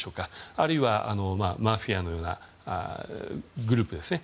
あるいはマフィアのようなグループですね。